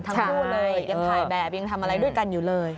ทั้งคู่เลยยังถ่ายแบบยังทำอะไรด้วยกันอยู่เลย